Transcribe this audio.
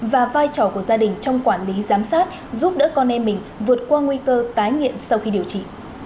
và vai trò của gia đình trong quản lý giám sát giúp đỡ con em mình vượt qua nguy cơ tái nghiện sau khi điều trị